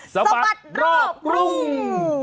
สมัครโรครุ่ง